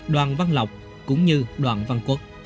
đoàn văn lộc cũng như đoàn văn quốc